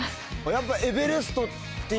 やっぱ。